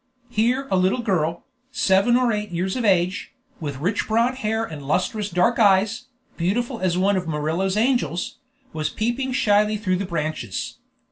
Here a little girl, seven or eight years of age, with rich brown hair and lustrous dark eyes, beautiful as one of Murillo's angels, was peeping shyly through the branches.